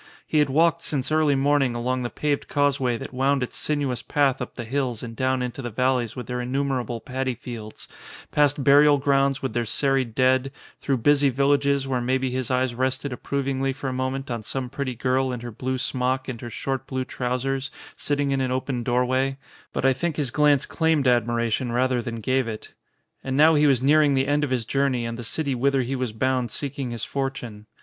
He had walked since early morning along the paved causeway that wound its sinuous path up the hills and down into the val leys with their innumerable padi fields, past burial grounds with their serried dead, through busy vil lages where maybe his eyes rested approvingly for a moment on some pretty girl in her blue smock and her short blue trousers, sitting in an open doorway (but I think his glance claimed admira tion rather than gave it), and now he was near ing the end of his journey and the city whither he was bound seeking his fortune.